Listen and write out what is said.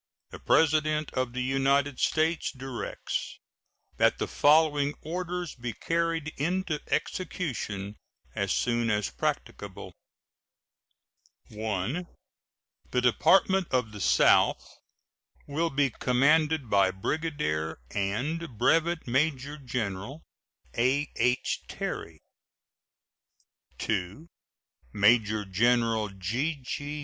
The President of the United States directs that the following orders be carried into execution as soon as practicable: 1. The Department of the South will be commanded by Brigadier and Brevet Major General A.H. Terry. 2. Major General G.G.